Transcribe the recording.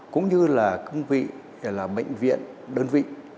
cũng như là cương vị là bệnh viện đơn vị